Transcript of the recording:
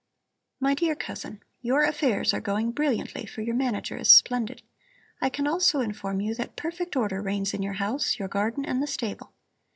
MY DEAR COUSIN: Your affairs are going brilliantly, for your manager is splendid. I can also inform you that perfect order reigns in your house, your garden and the stable.